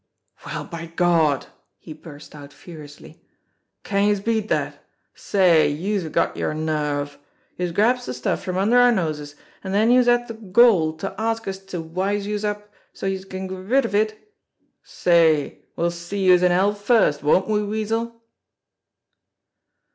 "Well, by Gawd !" he burst out furiously. "Can youse beat dat! Say, youse've got yer nerve! Youse grabs de stuff from under our noses, an' den youse has de gall to ask us to wise youse up so's youse can get rid of it! Say, we'll see youse in hell first, won't we, Weasel